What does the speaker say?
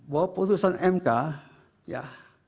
bahwa putusan mk ya